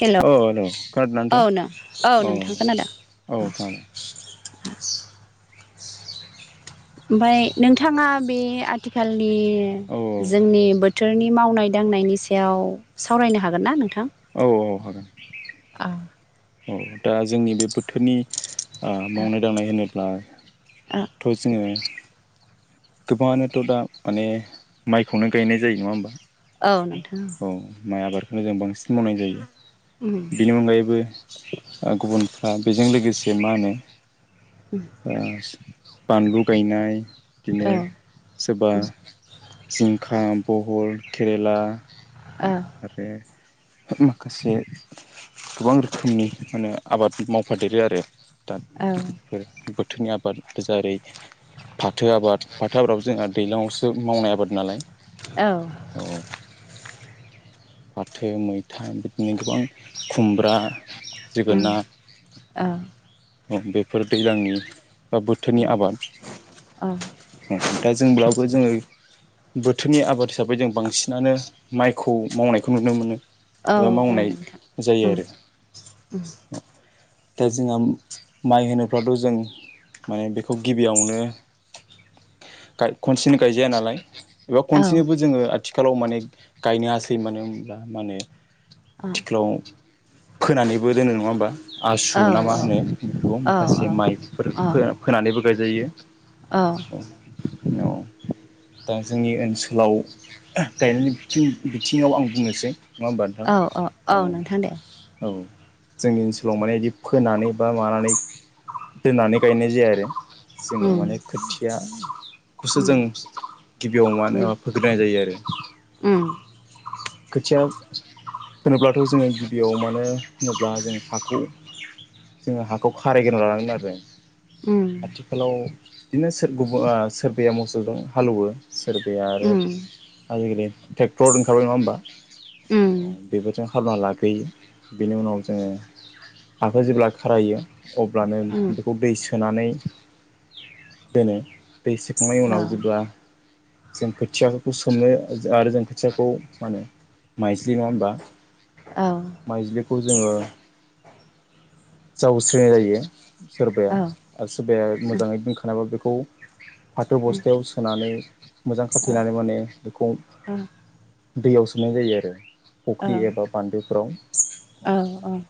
हेल' औ हेलौ खोनादोंना औ नोंथां नों औ नोंथां खोनादो औ खोनादों अ। [inaudible] ओमफाय नोंथाङा बे आथिखालनि औ जोंनि बोद थोरनि मावनाय दांनायनि सायाव सावरायनो हागोन ना नोंथां? औ औ हागोन। आ। औ दा जोंनि बे बोथोनि। आ मावनाय दांनाय होनोब्ला ओ थ' जोङो गोबाङानोथ' दा माने माइखौनो गायनाय जायो। नङा होमबा? औ नोंथां औ माइ आबारखौनो जों बांसिन मावनाय जायो। बिनि अनगायैबो ओ गुबुनफ्रा बेजों लोगोसे मा होनो ओ बानलु गायनाय इदिनो औ सोरबा जिंखा, बहल, केरेला औ आरो माखासे गोबां रोखोमनि मानो आबादफोर मावफादेरो आरो। दा औ बेफोर बोथोरनि आबाद जारै फाथो आब फाथो आबादाबो जोंहा दैलांआवसो मावनाय आबाद नालाय। औ। फाथो मैथा बिदिनो गोबां खुमब्रा उम आ। औ बेफोर दैलांनि बा बोथोरनि आबाद। औ ओ दा जों बेयावबो जोङो बोथोरनि आबाद हिसाबै जों बांसिनानो माइखौ मावनायखौ नुनो मोनो। औ बो मावनाय नोंथां जायो उम आरो। दा जोंहाम माइ होनोबाथ' जों माने बेखौ गिबियावनो गाय खनसेनो गायजाया नालाय बेयाव औ औ खनसेनोबो जोङो आथ थिखालाव माने गायनो हासोयो मानो होमब्ला माने थिख्लाव फोनानैबो दोनो। नङा होमबा? औ आसु ना मा होनो बेखौबो माखासे माइफोर औ फो-फोनानैबो गायजायो। औ [unintelligible] औ। दा जोंनि ओनसोलाव गायनायनि बिथिं बिथिङाव आं बुंनोसै। नङा होनोमबा नोंथां? औ औ नोंथां दे औ। जोंनि ओनसोलाव माने इदि फोनानै बा मानानै दोननानै गायनाय जाया आरो। जोंनियाव उम माने खोथियाखौसो उम जों गिबियाव मानो उम होमबा फोग्रोनाय जायो आरो। उम खोथिया होनोब्लाथ' जोङो गिबियाव मानो होनोब्ला जों हाखौ जोङो हाखौ खारायग्रोना लानांगोन आरो। आथिखालाव बिदिनो सोर गुब ओ सोरबाया मसौ जों हालौवो सोरबाया आरोे उम आजिखालि ट्रेक्टर ओंखारबाय। नङा होमबा? उम औ बेबोथ' हालौना लाग्रोयो बिनि उनाव जोङो हाखौ जेब्ला खारायो अब्लानो उम बेखौ दै सोनानै दोनो। दै सोखांनायनि उनाव जेब्ला जों खोथिया फोरखौ सोमो आरो जों खोथियाखौ मा होनो माइज्लि नङा होनबा? औ माइज्लिखौ जोङो जावस्रिनाय जायो औ सोरबाया आरो सोरबाया मोजाङै दोनखानाबा बेखौ फाथो बस्थायाव सोनानै मोजां खाथेनानै माने बेखौ दैयाव सोमनाय जायो आरो फुख्रि एबा बान्दोफोराव औ औ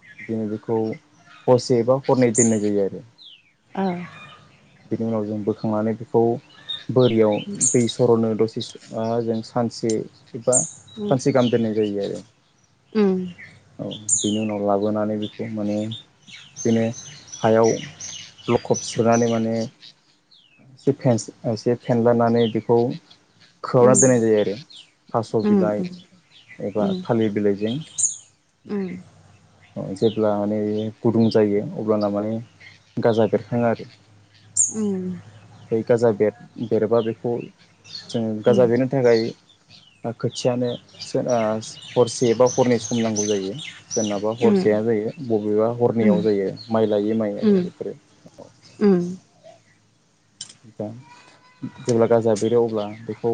हरसे एबा हरनै दोननाय जायो आरो बेनि उनाव जों बोखांनानै बेखौ बोरियाव दै सरननो दसे जों सानसे एबा सानसे गाहाम दोननाय जायो आरो औ बिनि उनाव लाबोनानै बेखौ माने बिनो हायाव लखब सोनानै माने एसे एसे फेनलानानै बेखौ खोबना दोननाय जायो आरो थास' बिलाइ एबा थालिर बिलाइजों जेब्ला माने गुदुं जायो अब्लाना माने गाजा बेरखाङो आरो बे गाजा बेर बेरबा बेखौ जों गाजा बेरनो थाखाय खोथियानो सो‌ आ हरसे बा हरनै सम नांगौ जायो जों हरसेया जायो बबेबा हरनैयाव जायो माइ लायै माइ आरो बेफोरो औ जेब्ला गाजा बेरो अब्ला बेखौ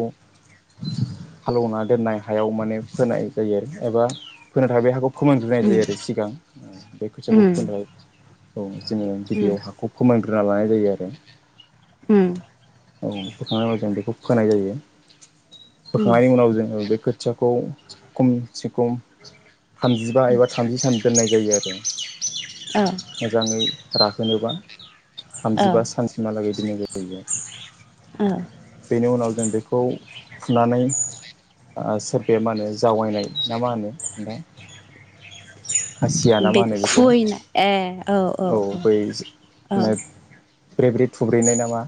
हालौना दोननाय हायाव माने फोनाय जायो आरो एबा फोनो थाखाय बे हाखौ फोमोनग्रोनाय जायो आरो सिगां बे खोथियाखौ फोनो। औ जोङो गिबियाव हाखौ फोमोनग्रोना लानाय जायो आरो औ बोखांनायनि उनाव जों बेखौ फोनाय जायो फोखांनायनि उनाव जोङो बे खोथियाखौ खमसे खम थामजिबा एबा थामजि सान दोननाय जायो आरो मोजाङै राहोनोबा थामजिबा सानसिमहालागै दोननाय जाहैयो। बेनि उनाव जों बेखौ फुनानै ओ सोरबाया मा होनो जावायनाय ना मा होनो नोंथां। खासिया ना मा बेखौ होनो खुवैनाय ए औ औ औ औ ब्रे ब्रे थुब्रेनाय नामा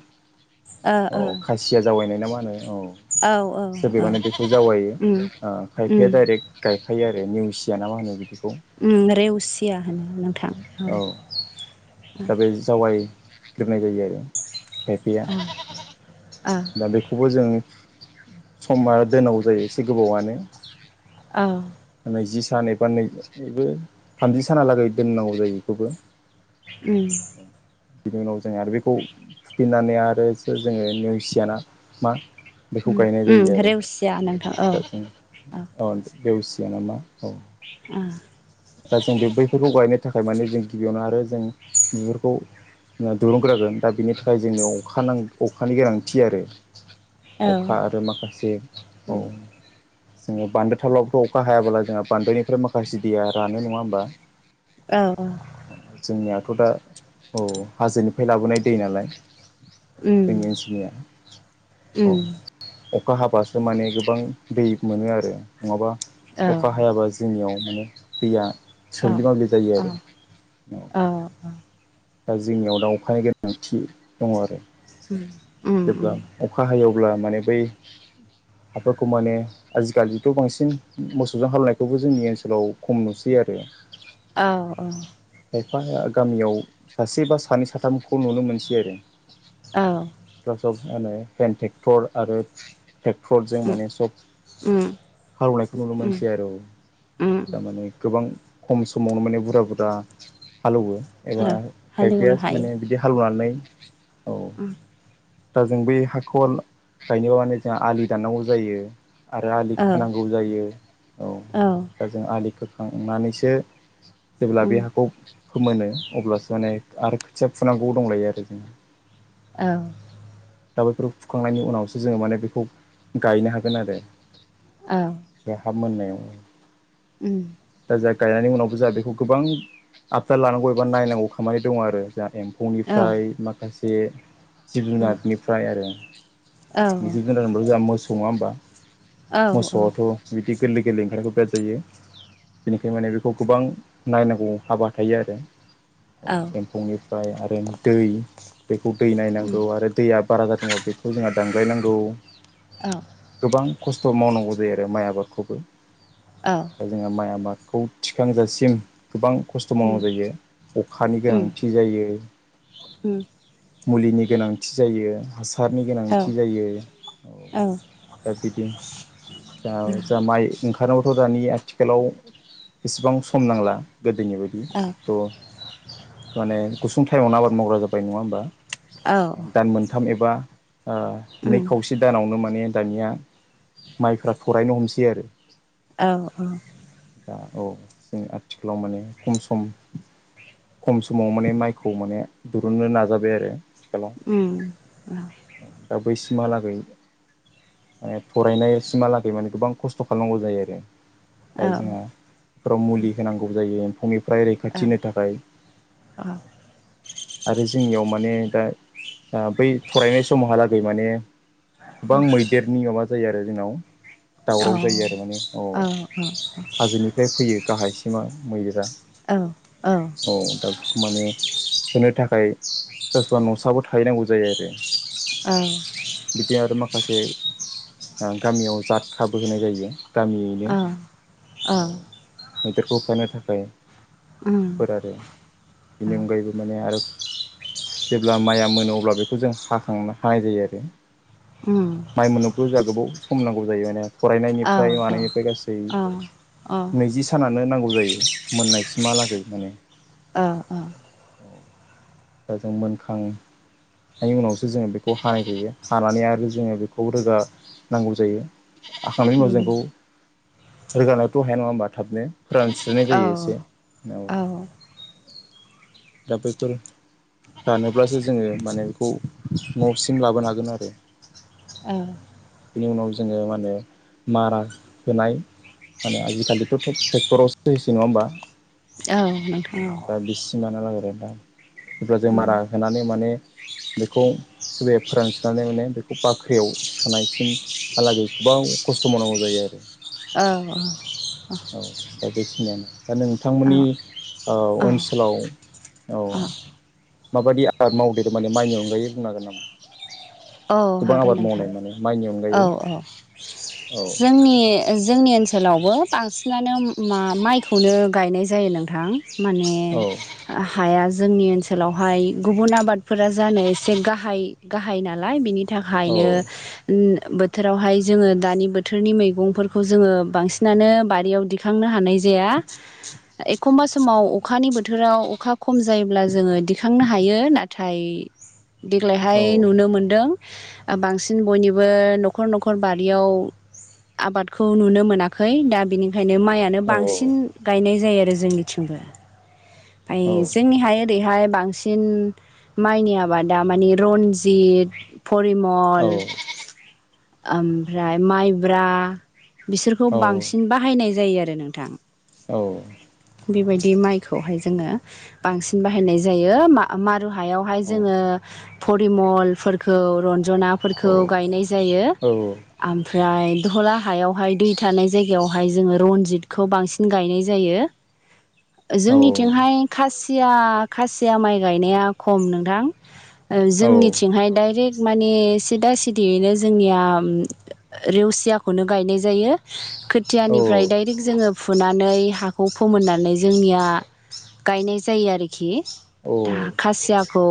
औ खासिया जावायनाय ना मा होनो औ औ औ औ माने बेखौ जावायो उम ओ उम खायफाया डाइरेक गायफायो आरो निवसिया ना मा होनो बिदि ओम रेवसिया होनो नोंथां। औ दा बे जावायग्रोनाय जायो आरो खायफैया औ दा बेखौबो जों समा दोनांगौ जायो एसे गोबावनो औ नैजि सान एबा नै थामजि सानहालागै दोननांगौ जायो बेखौबो। ओम बिनि उनाव जों आरो बेखौ फुफिनानै आरो जोङो नेवसि याना मा बेखौ उम गायनाय जायो उम आरो रेवसिया नोंथां औ दा औ जों देवसिया ना मा औ ओम दा जों बे बैफोरखौ गायनो थाखाय माने जों गिबियावनो आरो जों बेफोरखौ दिरुंग्रागोन दा बेनि थाखाय जोंनो अखा अखानि गोनांथि आरो अखा आरो माखासे औ जोङो बानदो थाबला अखा हायाब्ला जोंहा बानदोनिफ्राय माखासे दैया रानो नङा होमबा जोंनियाथ' दा औ हाजोनिफ्राय लाबोनाय दै नालाय जोंनि ओनसोलनिया ओम औ अखा हाबासो माने गोबां दै मोनो आरो नङाबा औ अखा हायाबा जोंनियाव माने दैया औ थोब्लि माब्लि जायो औ आरो ओम औ दा जोंनियाव दा अखानि गोनांथि दङ आरो उम उम जेब्ला अखा हायो अब्ला माने बै हाफोरखौ माने आजिखालिथ' बांसिन मोसौजों हाल एवनायखौबो जोंनि ओनसोलाव खम नुसै बिदि आरो औ खायफाया गामियाव सासे बा सानै साथामखौ नुनो मोनसै आरो औ कसो होनो हेनट्रेक्टर आरो ट्रेक्टरजों‌माने सब उम हाल एवनायखौ नुनो उम मोनसै आरो औ उम थारमाने गोबां खम समावनो माने बुरजा बुरजा हाल एवो एबा ओ खायफाया माने बिदि हाल एवनानै ओम दा जों बै हाखर गायनोबा मानो जोंहा आलि दाननांगौ जायो आरो आलि औ खोनांगौ जायो औ दा जों आलि खोखांनानैसो जेब्ला उम बे हाखौ फोमोनो अब्लासो माने आरो खोथिया फुनांगौ दंलायो आरो जोंहा ओम दा बेफोरखौ फुखांनायनि उनावसो जोङो माने बेखौ गायनो हागोन आरो बे हा मोननायाव उम दा जा गायनायनि उनावबो जा बेखौ गोबां आबदाल लानांगौ एबा नायनांगौ खामानि दङ आरो जाहा औ उम औ औ उम औ एमफौनिफ्राय उम माखासे जिब उम जुनारनिफ्राय आरो औ औ गार मोन जोंहा मोसौ नङा होमबा औ उम औ मोसौआथ' बिदि गोरलै गोरलै ओंखारो बिराद जायो बिनिखायनो माने बेखौ गोबां नायनांगौ हाबा थायो आरो एमफौनिफ्राय आरो दै बेखौ दै नायनांगौ आरो दैया बारा जादोंबा बेखौ जोंहा दानग्लायनांगौ गोबां खस्थ' मावनांगौ जायो आरो माइ आबादखौबो दा जोंहा माइ आबादखौ थिखांजासिम गोबां खस्थ' मावनांगौ जायो खानि गोनांथि जायो मुलिनि गोनांथि जायो हासारनि गोनांथि जायो औ दा बिदि दा जा माइ ओंखारनोबोथ' दानि आथिखालाव इसिबां सम नांला गोदोनि बायदि उम थ' माने गुसुं टाइमावनो आबाद मावग्रा जाबाय नङा होमबा दान मोनथाम एबा नै खावसे दानावनो माने दानिया माइफ्रा थरायनो हमसै आरो औ औ दा औ जों आथिखालाव माने खम सम खम समाव माने माइखौ माने दुरुननो नाजाबाय आरो आथिखालाव दा बैसिमहालागै ओ थरायनाय सिमहालागै माने गोबां खस्थ' खालामनांगौ जायो आरो औ दा जोंहा बेफोराव मुलि होनांगौ जायो एमफौनिफ्राय औ रैखाथि होनो थाखाय औ आरो जोंनियाव माने दा बै थरायनाय समावहालागै माने गोबां मैदेरनि माबा जायो आरो जोंनाव दावराव जायो आरो माने अ औ हाजोनिफ्राय फैयो गाहायसिमा मैदेरा औ औ औ दा बेखौ माने होनो थाखाय सोरबा सोरबा न'साबो थाहैनांगौ जायो आरो औ बिथिं आरो माखासे गामियाव जात खाबो होनाय जायो गामियैनो औ मैदेरखौ होबथानो थाखाय फोर आरो बेनि अनगायैबो माने आरो जेब्ला माइया मोनो अब्ला बेखौ जों हाखांनो हानाय जायो आरो माइ मोननोथ' जोंङा गोबाव सम नांगौ जायो माने थरायनायनिफ्राय मानायनिफ्राय गासै औ नैजि सानानो नांगौ जायो मोननायसिमहालागै माने औ दा जों मोनखां नि उनावसो जोङो बेखौ हानाय जायो हानानै आरो जोङो बेखौ रोगा नांगौ जायो हाखांनायनि उनाव जोंखौ रोगानाथ' हाया नङा होमबा थाबनो फोरानस्रायनाय जायो एसे औ दा बैफोर रानोब्लासो जोङो माने बेखौ न'सिम लाबोनो हागोन आरो बेनि उनाव जोङो मा होनो मारा होनाय माने आजिखालिथ' ट्रेक्टरावसो होसै नङा होमबा औ दा बिसिमानो लाग आरो दा जब्ला जों मारा होनानै माने बेखौ सोरबाया फोरानस्रनानै माने बेखौ बाख्रियाव सोनायसिम हालागै गोबां खस्थ' मावनांगौ जायो आरो औ दा बेखिनियानो दा नोंथांमोननि ओनसोलाव औ माबायदि आबाद मावदेरो माने माइनि अनगायै बुंनो हागोन नामा औ गोबां हागोन आबाद नोंथां मावनाय माने माइनि औ अनगायै औ औ जोंनि जोंनि ओनसोलावबो बांसिनानो मा माइखौनो गायनाय जायो नोंथां माने औ हा हाया जोंनि ओनसोलावहाय गुबुन आबादफोरा जानो एसे गाहाय गाहाय नालाय बिनि औ थाखायनो बोथोरावहाय जोङो दानि बोथोरनि मैगंफोरखौ जोङो बांसिनानो बारियाव दिखांनो हानाय जाया एखमबा समाव अखानि बोथोराव अखा खम जायोब्ला जोङो दिखांनो हायो नाथाय देग्लायहाय औ नुनो मोन बांसिन बयनिबो न'खर न'खर बारियाव आबादखौ नुनो मोनाखै दा बिनि खायनो माइयानो बांसिन औ गायनाय जायो आरो जोंनिथिंबो हाइ औ जोंनिहाय ओरैहाय बां बांसिन माइनि आबादा मानि रन्जित औ फरिमल ओमफ्राय माइब्रा बिसोरखौ औ बांसिन बाहायनाय जायो आरो नोंथां औ बेबायदि माइखौहाय जोङो बांसिन बाहायनाय जायो मा मा हायावहाय जोङो परिमलफोरखौ रन जनाफोरखौ गायनाय जायो ओमफ्राय दहला हायावहाय दै थानाय जायगायावहाय जोङो रनजितखौ बांसिन गायनाय जायो जोंनिथिंहाय खासिया खासिया माइ गायनाया खम नोंथां जोंनिथिंहाय डाइरेक्ट माने सिदा सिदयैनो जोंनिया रेवसियाखौनो गायनाय जायो औ खोथियानिफ्राय डायरेक्ट जोङो फुनानै हा खौ फोमोननानै जोंनिया गायनाय जायो आरोखि दा खासियाखौ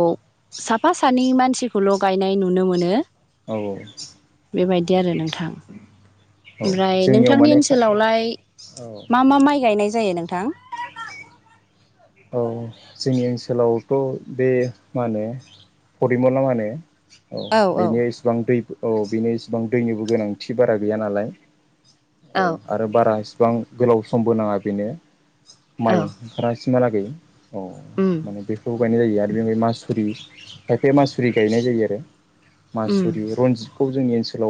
साफा सानै मानसिखौल' गायनाय नुनो मोनो। औ बेबायदि आरो नोंथां औ ओमफ्राय जोंनियाव नोंथांनि माने ओनसोलावलाय औ मा मा माइ गायनाय जायो नोंथां? औ जोंनि ओनसोलावथ' बे मा होनो फरिमल ना माहोनो औ बेनि एसेबां दै औ बेनि इसेबां दैनिबो गोनांथि बारा गैया नालाय। औ आरो बारा इसिबां गोलाव समबो नाङा बेनो माइ औ ओंखारासिमहालागै औ उम माने बेखौबो गायनाय जायो आरो। मासुरि खायफाया मासुरि गायनाय जायो आरो उम मासुरि रनजितखौ जोंनि ओनसोलाव